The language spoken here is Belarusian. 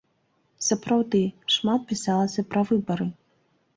Сапраўды, шмат пісалася пра выбары!